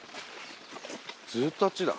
ずっとあっちだ。